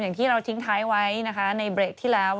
อย่างที่เราทิ้งท้ายไว้นะคะในเบรกที่แล้ว